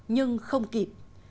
nhưng không kịp